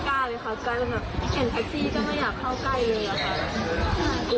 บางคนที่เขามีเงินมาน้อยแล้วแบบเขาเจอแบบเนี้ยเขาอาจจะกลับบ้านของเขาไม่ได้หรืออะไรอย่างเงี้ยเลยค่ะ